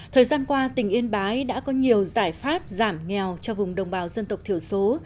thời gian qua tỉnh yên bái đã có nhiều giải pháp giảm nghèo cho vùng đồng bào dân tộc thiểu số